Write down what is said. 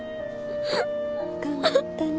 頑張ったね。